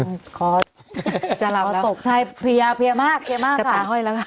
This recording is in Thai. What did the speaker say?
ขอขอตกใจเพลียเพลียมากเพลียมากค่ะขอให้แล้วค่ะ